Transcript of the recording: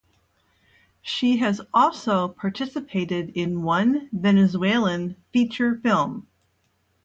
She has also participated in one Venezuelan feature film.